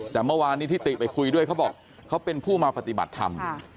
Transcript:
แต่เมื่อวานนี้ที่ติไปคุยด้วยเขาบอกเขาเป็นผู้มาปฏิบัติธรรม